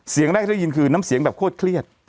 เสียงแรกที่ได้ยินคือน้ำเสียงแบบโคตรเครียด